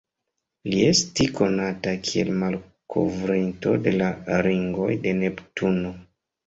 Li esti konata kiel malkovrinto de la ringoj de Neptuno.